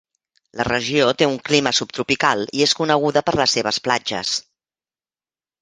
La regió té un clima subtropical i és coneguda per les seves platges.